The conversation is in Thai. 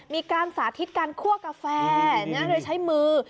มีการสาธิตการคั่วกาแฟโดยใช้มือ